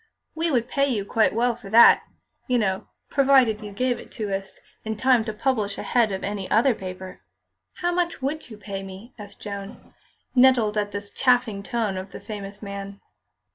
We would pay you quite well for that, you know, provided you gave it to us in time to publish ahead of any other paper." "How much would you pay me?" asked Joan, nettled at this chaffing tone of the famous man.